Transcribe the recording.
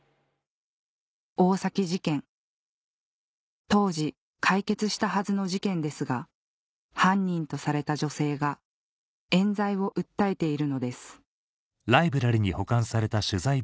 大崎事件当時解決したはずの事件ですが犯人とされた女性が冤罪を訴えているのです